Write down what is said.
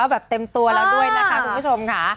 แบบเต็มตัวแล้วด้วยนะคะคุณผู้ชมค่ะ